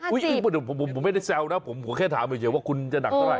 ผมไม่ได้แซวนะผมแค่ถามเฉยว่าคุณจะหนักเท่าไ